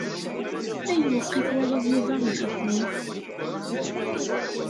Ayweq i twalaḍ Yuba ixeddem-it?